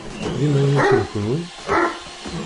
D imaynuten kunwi?